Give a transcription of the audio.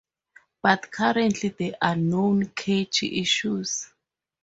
But currently there are known cache issues.